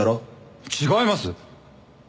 違います！